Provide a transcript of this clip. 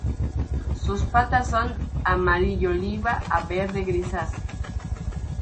Sus patas son amarillo-oliva a verde-grisáceo.